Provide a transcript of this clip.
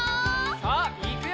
さあいくよ！